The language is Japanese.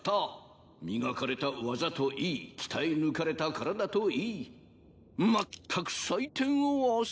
磨かれた技といい鍛え抜かれた体といいまったく採点を忘れるほど。